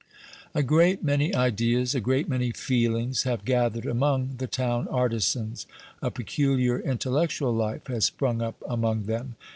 A great many ideas, a great many feelings have gathered among the town artisans a peculiar intellectual life has sprung up among them.